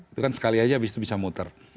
itu kan sekali aja habis itu bisa muter